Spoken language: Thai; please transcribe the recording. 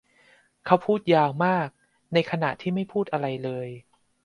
เขาพูดยาวมากในขณะที่ไม่พูดอะไรเลย